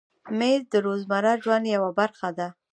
مېز د روزمره ژوند یوه برخه ده.